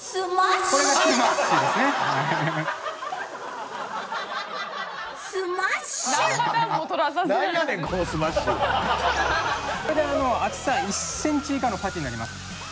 これで厚さ１センチ以下のパティになります。